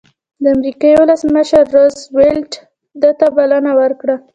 د امریکې ولسمشر روز وېلټ ده ته بلنه ورکړه.